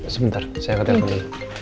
sebentar saya angkatnya dulu